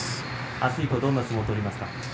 明日以降はどんな相撲を取りますか？